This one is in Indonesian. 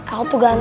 aku tuh ganteng